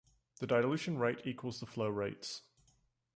The dilution rate equals the flow rates.